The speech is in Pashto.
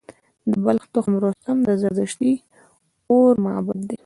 د بلخ تخت رستم د زردشتي اور معبد دی